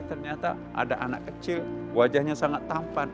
ternyata ada anak kecil wajahnya sangat tampan